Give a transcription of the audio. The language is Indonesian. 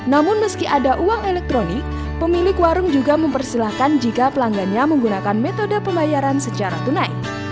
namun meski ada uang elektronik pemilik warung juga mempersilahkan jika pelanggannya menggunakan metode pembayaran secara tunai